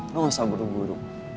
lo gak usah buru buru